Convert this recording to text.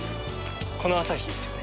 この朝日ですよね